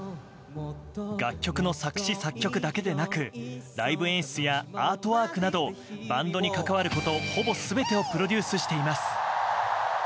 楽曲の作詞・作曲だけでなくライブ演出やアートワークなどバンドに関わることほぼ全てをプロデュースしています。